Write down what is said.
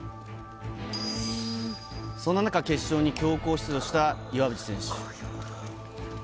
そんな中、決勝に強行出場した岩渕選手。